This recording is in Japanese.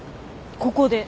ここで。